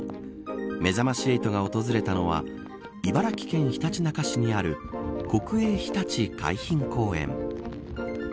めざまし８が訪れたのは茨城県ひたちなか市にある国営ひたち海浜公園。